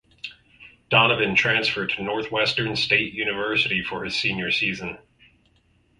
Donovan transferred to Northwestern State University for his senior season.